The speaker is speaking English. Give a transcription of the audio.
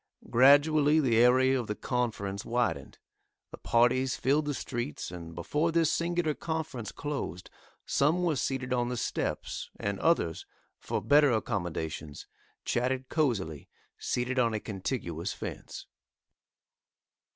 Gradually the area of the conference widened. The parties filled the streets and before this singular conference closed, some were seated on the steps, and others, for better accommodations, chatted cosily, seated on a contiguous fence.